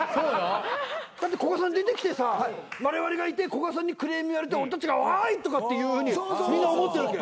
だって古賀さん出てきてさわれわれがいて古賀さんにクレーム言われて俺たちが「おい！」とかって言うふうにみんな思ってるわけ。